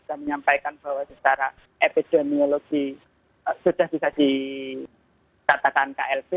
dan menyampaikan bahwa secara epidemiologi sudah bisa dikatakan klb